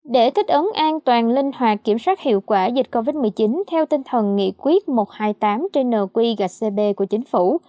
để thích ứng an toàn linh hoạt kiểm soát hiệu quả dịch covid một mươi chín theo tinh thần nghị quyết một trăm hai mươi tám trên nq gcb của chính phủ